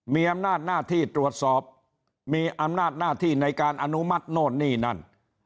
มีอำนาจหน้าที่ตรวจสอบมีอำนาจหน้าที่ในการอนุมัติโน่นนี่นั่น